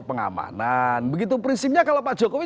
pengamanan begitu prinsipnya kalau pak jokowi